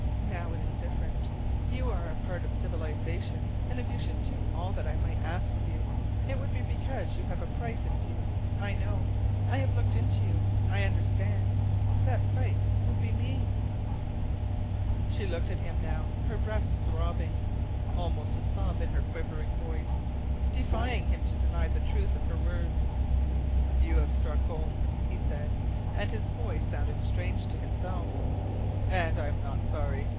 Now it is different. You are a part of civilization, and if you should do all that I might ask of you it would be because you have a price in view. I know. I have looked into you. I understand. That price would be ME!" She looked at him now, her breast throbbing, almost a sob in her quivering voice, defying him to deny the truth of her words. "You have struck home," he said, and his voice sounded strange to himself. "And I am not sorry.